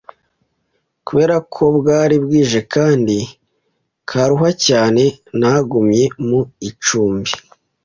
Kubera ko bwari bwije kandi nkaruha cyane, nagumye mu icumbi.